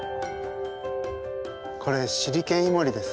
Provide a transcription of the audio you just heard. これシリケンイモリです。